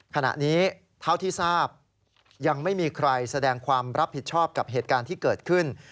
ขณะนี้เท่าที่ทราบยังไม่มีใครแสดงความรับผิดชอบกับเหตุการณ์ที่เกิดขึ้น